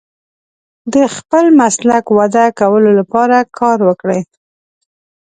د خپل مسلک وده کولو لپاره کار وکړئ.